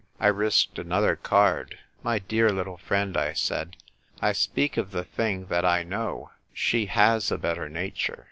I risked another card, "My dear little friend," I said, "I speak of the tiling tiiat I know: she has a better nature."